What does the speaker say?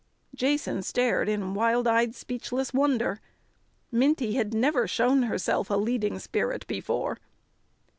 Jason stared in mild eyed speechless wonder. Minty had never shown herself a leading spirit before.